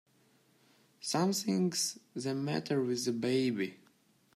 Something's the matter with the baby!